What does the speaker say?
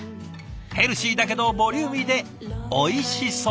ヘルシーだけどボリューミーでおいしそう！